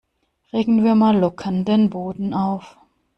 Regenwürmer lockern den Boden auf.